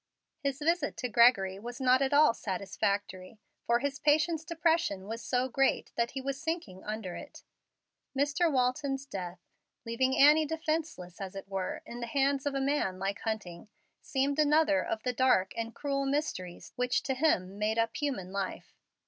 His visit to Gregory was not at all satisfactory, for his patient's depression was so great that he was sinking under it. Mr. Walton's death, leaving Annie defenceless, as it were, in the hands of a man like Hunting, seemed another of the dark and cruel mysteries which to him made up human life.